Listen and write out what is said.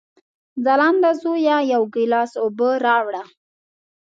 ځلانده زویه، یو ګیلاس اوبه راوړه!